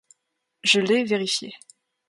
Je l’ai vérifié.